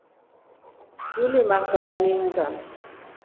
Tulimaa saa ilinga.